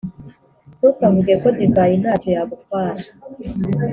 Ntukavuge ko divayi nta cyo yagutwara,